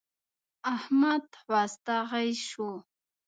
احمد خوا ستغی شو.